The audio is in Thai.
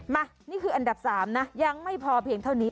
มานี่คืออันดับ๓นะยังไม่พอเพียงเท่านี้